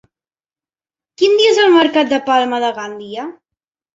Quin dia és el mercat de Palma de Gandia?